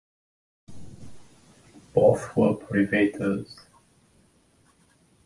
Both were privateers.